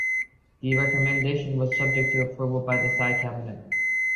The recommendation was subject to approval by the Thai cabinet.